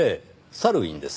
サルウィンです。